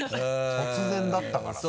突然だったからさ。